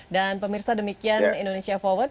dan pemirsa demikian indonesia forward